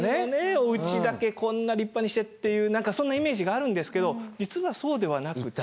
おうちだけこんな立派にしてっていうそんなイメージがあるんですけど実はそうではなくて。